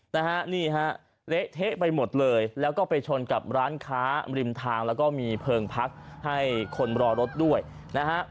นะฮะนี่ฮะเละเทะไปหมดเลยแล้วก็ไปชนกับร้านค้าริมทางแล้วก็มีเพลิงพักให้คนรอรถด้วยนะฮะ